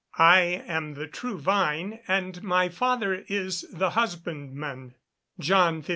[Verse: "I am the true vine, and my Father is the husbandman." JOHN XV.